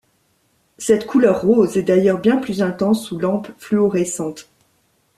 Cette couleur rose est d'ailleurs bien plus intense sous lampe fluorescente.